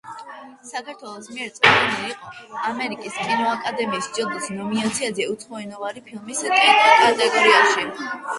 საქართველოს მიერ წარდგენილი იყო ამერიკის კინოაკადემიის ჯილდოს ნომინაციაზე უცხოენოვანი ფილმის კატეგორიაში.